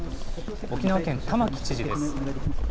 沖縄県、玉城知事です。